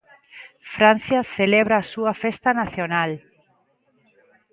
Francia celebra a súa festa nacional.